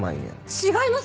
違います！